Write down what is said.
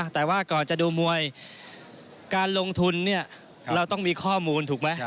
แต่ว่าก่อนจะดูมวยการลงทุนเราต้องมีข้อมูลถูกไหม